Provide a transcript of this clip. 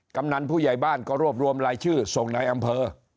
กำนันผู้ใหญ่บ้านก็รวบรวมรายชื่อส่งในอำเภอ